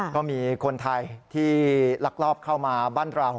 ก็มีคนไทยที่ลักลอบเข้ามาบ้านเรา